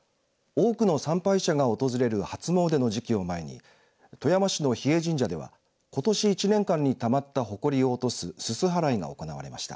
多くの参拝者が訪れる初詣の時期を前に富山市の日枝神社ではことし１年間にたまった、ほこりを落とすすす払いが行われました。